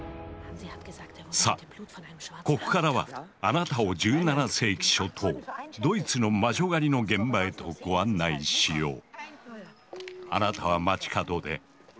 さあここからはあなたを１７世紀初頭ドイツの魔女狩りの現場へとご案内しよう。